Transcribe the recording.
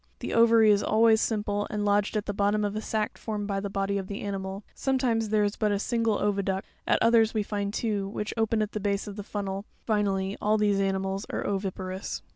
The ovary is always simple and lodged at the bottom of a sac formed by the body of the animal; sometimes there is but a single .oviduct; at others, we find two, which open at the base of the fun. nel; finally, all these ani mals are oviparous.